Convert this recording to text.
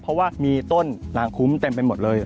เพราะว่ามีต้นนางคุ้มเต็มไปหมดเลย